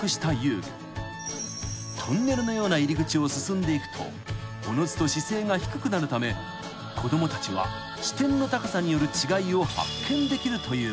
［トンネルのような入り口を進んでいくとおのずと姿勢が低くなるため子供たちは視点の高さによる違いを発見できるというもの］